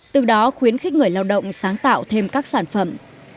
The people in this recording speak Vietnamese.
từ đó khuyến khích người lao động sáng tạo thêm các sản phẩm